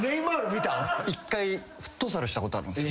一回フットサルしたことあるんすよ。